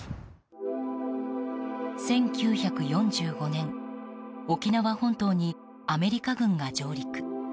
１９４５年沖縄本島にアメリカ軍が上陸。